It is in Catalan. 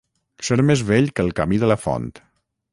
Ser més vell que el camí de la font.